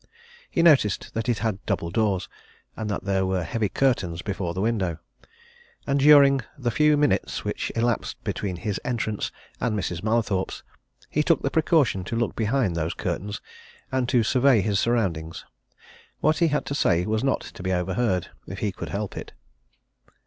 He noticed that it had double doors, and that there were heavy curtains before the window. And during the few minutes which elapsed between his entrance and Mrs. Mallathorpe's, he took the precaution to look behind those curtains, and to survey his surroundings what he had to say was not to be overheard, if he could help it.